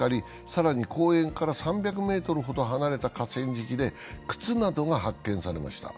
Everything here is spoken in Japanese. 更に公園から３００ｍほど離れた河川敷で靴などが発見されました。